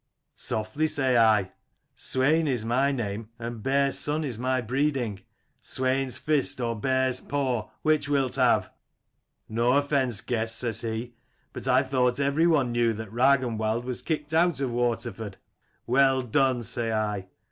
"'Softly,' say I : 'Swain is my name and Bear's son is my breeding. Swain's fist or bear's paw, which wilt have ?' '"No offence, guest,' says he: 'But I thought every one knew that Ragnwald was kicked out of Waterford ' "'Well done! 'say I.